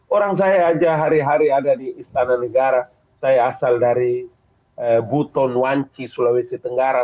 orang saya aja hari hari ada di istana negara saya asal dari buton wanci sulawesi tenggara